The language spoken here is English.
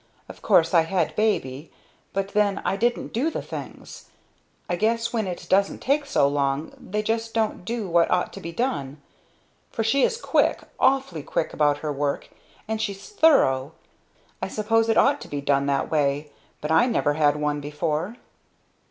Of course I had Baby, but then I didn't do the things. I guess when it doesn't take so long they just don't do what ought to be done. For she is quick, awfully quick about her work. And she's thorough. I suppose it ought to be done that way but I never had one before."